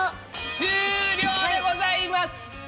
終了でございます！